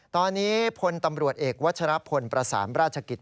ตอนนี้พลตำรวจเอกวัชรพลประสานราชกิจ